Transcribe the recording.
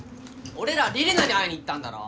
俺ら李里奈に会いに行ったんだろ。